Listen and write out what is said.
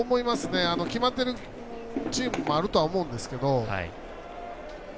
決まっているチームもあるとは思うんですけど。